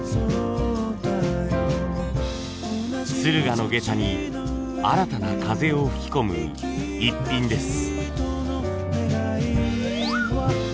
駿河の下駄に新たな風を吹き込むイッピンです。